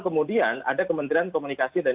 kemudian ada kementerian komunikasi dan